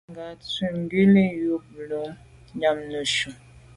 Kà ghùtni wul o num nu yàm neshu.